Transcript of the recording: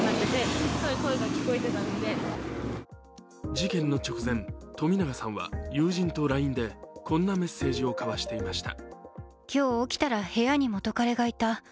事件の直前、冨永さんは友人とＬＩＮＥでこんなメッセージを交わしていました。